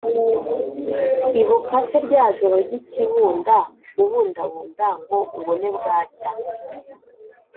ibuka se rya joro ry’ikibunda ubundabunda ngo ubone bwacya